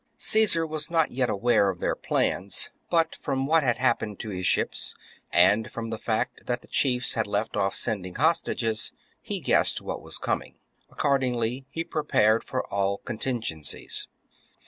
31. Caesar was not yet aware of their plans ; but from what had happened to his ships and from the fact that the chiefs had left off sending hostages, he guessed what was coming. Accord ingly he prepared for all contingencies.